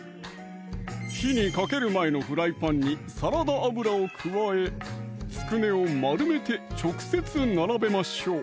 火にかける前のフライパンにサラダ油を加えつくねを丸めて直接並べましょう！